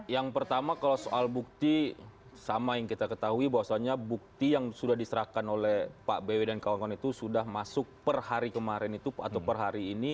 yang pertama kalau soal bukti sama yang kita ketahui bahwasannya bukti yang sudah diserahkan oleh pak bw dan kawan kawan itu sudah masuk per hari kemarin itu atau per hari ini